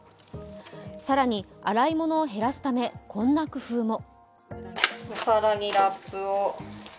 更に洗いものを減らすためこんな工夫も。